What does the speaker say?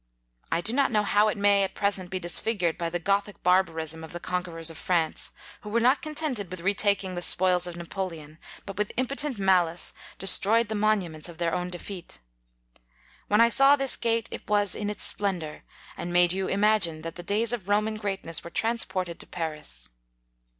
I do not know how it may at present be disfigured by the Gothic barbarism of the conquerors of France, who were not contented with retaking the spoils of Napoleon, but with impo tent malice, destroyed the monuments of their own defeat. When I saw this gate, it was in its splendour, and made you imagine that the days of Roman greatness were transported to Paris.